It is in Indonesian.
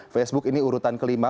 facebook ini urutan kelima